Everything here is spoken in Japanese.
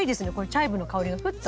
チャイブの香りがふっと。